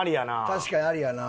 確かにありやな。